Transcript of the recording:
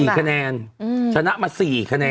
๔คะแนนชนะมา๔คะแนน